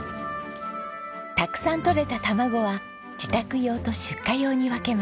たくさんとれた卵は自宅用と出荷用に分けます。